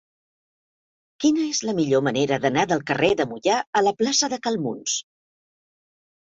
Quina és la millor manera d'anar del carrer de Moià a la plaça de Cal Muns?